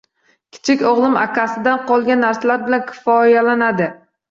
Kichik o‘g‘lim akasidan qolgan narsalar bilan kifoyalanadi.